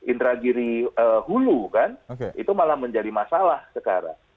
kasus yang terjadi di indra giri hulu kan itu malah menjadi masalah sekarang